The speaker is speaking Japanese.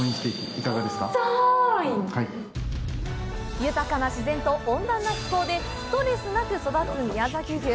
豊かな自然と温暖な気候でストレスなく育つ宮崎牛。